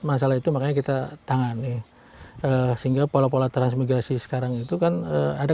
masalah itu makanya kita tangani sehingga pola pola transmigrasi sekarang itu kan ada